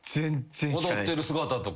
踊ってる姿とか。